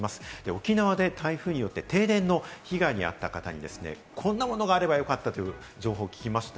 沖縄で台風によって停電の被害に遭った方に、こんなものがあればよかったという情報を聞きました。